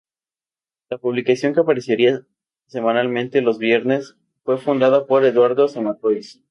La publicación, que aparecía semanalmente, los viernes, fue fundada por Eduardo Zamacois.